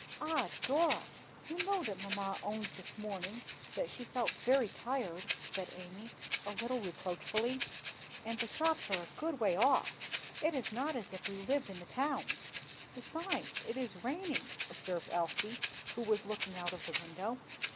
"Ah! Dora, you know that mamma owned this morning that she felt very tired," said Amy, a little reproachfully; "and the shops are a good way off; it is not as if we lived in the town." "Besides, it is raining," observed Elsie, who was looking out of the window.